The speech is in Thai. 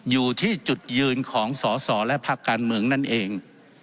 อยู่ที่จุดยืนของสอสอและภาคการเมืองนั่นเอง